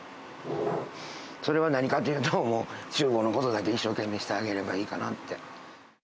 それは何かというと、ちゅう房のことだけ一生懸命してあげればいいかなって。